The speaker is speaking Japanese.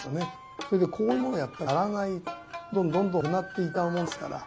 それでこういうものもやっぱりやらないとどんどんどんどんなくなっていっちゃうものですから。